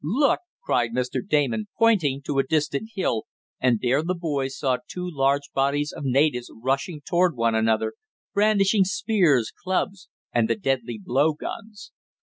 "Look!" cried Mr. Damon, pointing to a distant hill, and there the boys saw two large bodies of natives rushing toward one another, brandishing spears, clubs and the deadly blow guns.